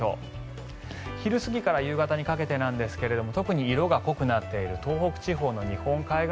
昼過ぎから夕方にかけて特に色が濃くなっている東北地方の日本海側